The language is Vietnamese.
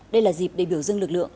đây là dịp để biểu dưng lực lượng